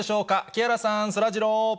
木原さん、そらジロー。